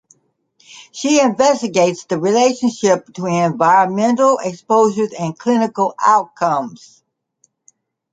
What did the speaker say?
She investigates the relationship between environmental exposures and clinical outcomes.